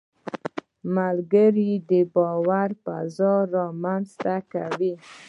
ملګری د باور فضا رامنځته کوي